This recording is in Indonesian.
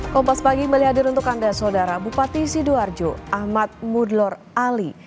kompas pagi melihat hadir untuk anda saudara bupati sidoarjo ahmad mudlor ali